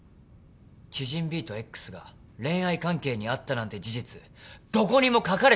知人ＢとＸが恋愛関係にあったなんて事実どこにも書かれていません。